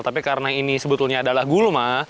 tapi karena ini sebetulnya adalah gulma